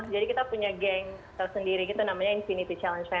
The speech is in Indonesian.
jadi kita punya geng tersendiri gitu namanya infinity challenge family